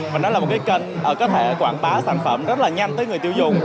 và nó là một cái kênh có thể quảng bá sản phẩm rất là nhanh tới người tiêu dùng